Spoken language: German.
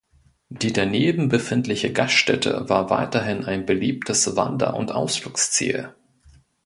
Die daneben befindliche Gaststätte war weiterhin ein beliebtes Wander- und Ausflugsziel.